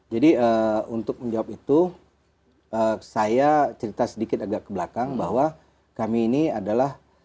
jadi untuk menjawab itu saya cerita sedikit agak ke belakang bahwa kami ini adalah